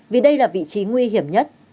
vì đây là vị trí nguy hiểm nhất